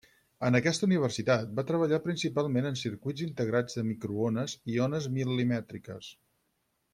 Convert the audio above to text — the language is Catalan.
En aquesta universitat va treballar principalment en circuits integrats de microones i ones mil·limètriques.